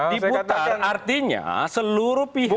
diputar artinya seluruh pihak